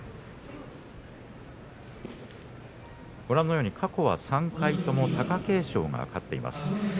ご覧のように過去は３回とも、貴景勝が勝っています。